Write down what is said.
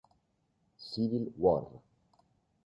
Civil War